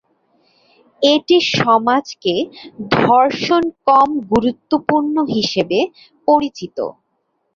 এটি সমাজকে ধর্ষণ কম গুরুত্বপূর্ণ হিসাবে পরিচিত।